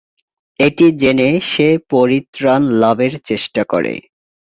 এটি জেনে সে পরিত্রাণ লাভের চেষ্টা করে।